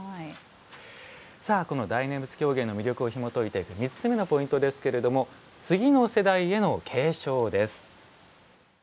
さあ、この大念仏狂言の魅力をひもといていく３つ目のポイントですけれども「次の世代への継承」です。